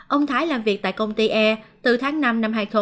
ông thái làm việc tại công ty e từ tháng năm năm hai nghìn hai mươi một